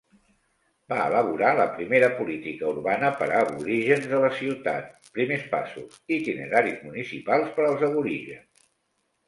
Va elaborar la primera política urbana per a aborígens de la ciutat, Primers passos: itineraris municipals per als aborígens.